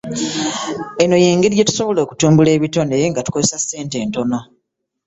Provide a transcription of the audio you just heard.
Eno y'engeri gye tusobola okutumbula ebitone nga tukozesa ssente ntono.